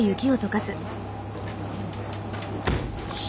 よし！